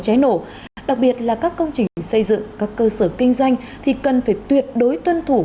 cháy nổ đặc biệt là các công trình xây dựng các cơ sở kinh doanh thì cần phải tuyệt đối tuân thủ